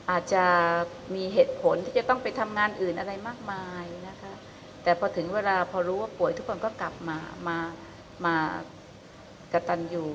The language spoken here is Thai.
อาจจะมีเหตุผลที่จะต้องไปทำงานอื่นอะไรมากมายนะคะแต่พอถึงเวลาพอรู้ว่าป่วยทุกคนก็กลับมามากระตันอยู่